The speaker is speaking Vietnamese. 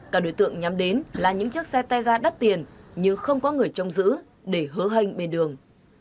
cả đối tượng nhắm đến là những chiếc xe tega đắt tiền nhưng không có người trông giữ để hứa hênh bên đường